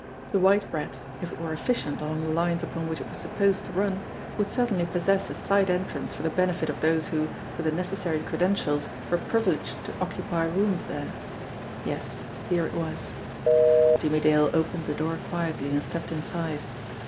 The White Rat, if it were effi cient along the lines upon which it was supposed to run, would certainly possess a side entrance for the benefit of those who, with the necessary credentials, were privileged to occupy rooms there. Yes, here it was. Jimmie Dale opened the door quietly and stepped inside.